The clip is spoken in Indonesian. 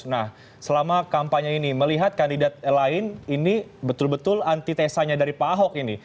nah selama kampanye ini melihat kandidat lain ini betul betul antitesanya dari pak ahok ini